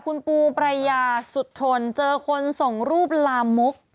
คุณปูปรายาสุดทนเจอคนส่งรูปลามก